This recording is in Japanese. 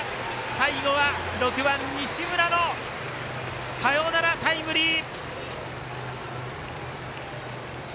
最後は６番、西村のサヨナラタイムリー！